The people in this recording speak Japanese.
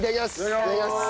いただきまーす。